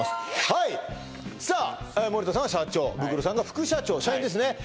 はいさあ森田さんが社長ブクロさんが副社長社員ですね